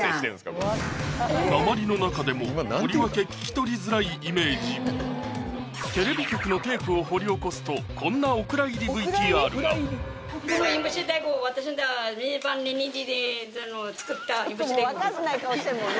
これなまりの中でもとりわけ聞き取りづらいイメージテレビ局のテープを掘り起こすとこんなお蔵入りＶＴＲがもう分かんない顔してるもんね